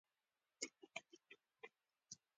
د موټرو روغتیا د ژوند خوندیتوب لپاره مهمه ده.